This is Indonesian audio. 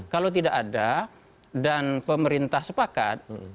kalau tidak ada dan pemerintah sepakat